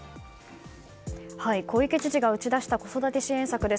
小池知事が打ち出した子育て支援策です。